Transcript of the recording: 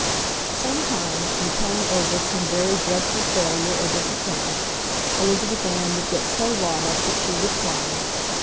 Sometimes in telling over some very dreadful failure or disappointment Elizabeth Ann would get so wrought up that she would cry.